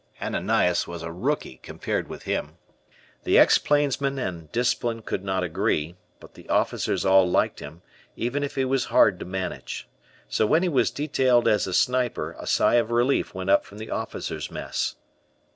Ananias was a rookie compared with him. The ex plainsman and discipline could not agree, but the officers all liked him, even if he was hard to manage. So when he was detailed as a sniper, a sigh of relief went up from the officers' mess.